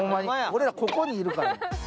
俺ら、ここにいるから。